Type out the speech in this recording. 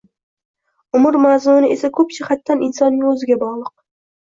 Umr mazmuni esa ko’p jihatdan insonning o’ziga bog’liq.